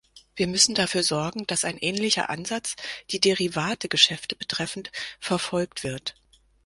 Wir müssen dafür sorgen, dass ein ähnlicher Ansatz die Derivategeschäfte betreffend verfolgt wird.